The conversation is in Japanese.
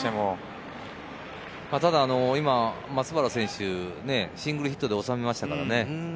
ただ、今、松原選手、シングルヒットで収めましたからね。